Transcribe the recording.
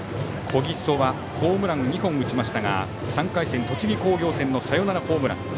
小木曽はホームラン２本打ちましたが３回戦、栃木工業戦のサヨナラホームラン。